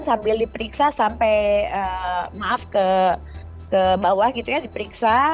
sambil diperiksa sampai maaf ke bawah gitu ya diperiksa